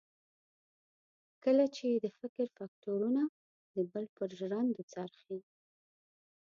کله چې یې د فکر فکټورنه د بل پر ژرندو څرخي.